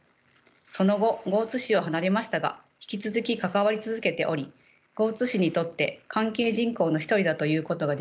その後江津市を離れましたが引き続き関わり続けており江津市にとって関係人口の一人だと言うことができます。